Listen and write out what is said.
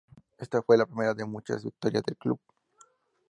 Esta fue la primera de muchas victorias del club.